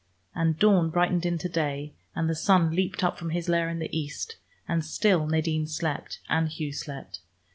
And dawn brightened into day, and the sun leaped up from his lair in the East, and still Nadine slept, and Hugh slept.